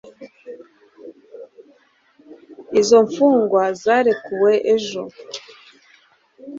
Izo mfungwa zarekuwe ejo